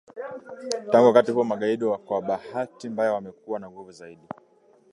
Tangu wakati huo magaidi kwa bahati mbaya wamekuwa na nguvu zaidi